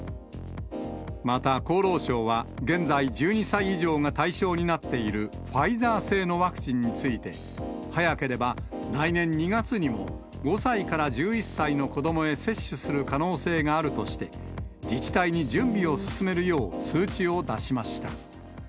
また厚労省は現在、１２歳以上が対象になっているファイザー製のワクチンについて、早ければ来年２月にも、５歳から１１歳の子どもへ接種する可能性があるとして、自治体に準備を進めるよう通知を出しました。